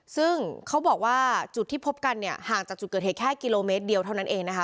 ซึ่งเขาบอกว่าจุดที่พบกันเนี่ยห่างจากจุดเกิดเหตุแค่กิโลเมตรเดียวเท่านั้นเองนะคะ